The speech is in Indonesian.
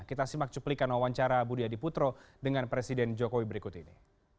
kita simak cuplikan wawancara budi adiputro dengan presiden jokowi berikut ini